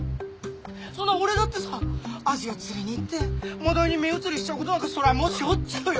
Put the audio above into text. そんなん俺だってさアジを釣りにいってマダイに目移りしちゃうことなんかそりゃもうしょっちゅうよ？